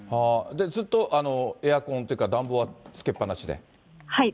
ずっとエアコンというか、暖房はつけっぱなしで。